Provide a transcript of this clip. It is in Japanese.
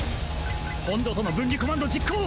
本土との分離コマンド実行！